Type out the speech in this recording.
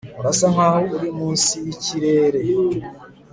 urasa nkaho uri munsi yikirere